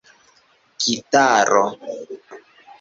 gitaro